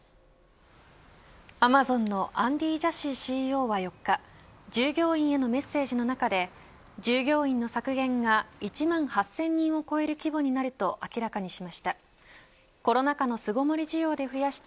アマゾンのアンディ・ジャシーＣＥＯは４日従業員へのメッセージの中で従業員の削減が１万８０００人を超える規模になると明らかにしました。